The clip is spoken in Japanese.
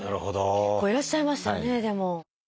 結構いらっしゃいますよねでも。